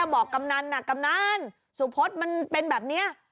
บอกกำนันนะกำนันสุพธน่ะมีเป็นแบบนี้